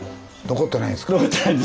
残ってないんですか？